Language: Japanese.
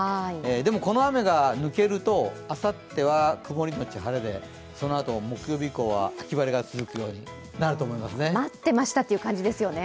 でもこの雨が抜けるとあさっては曇りのち晴れでそのあと木曜日以降は、秋晴れが続くようになるんでしょうね。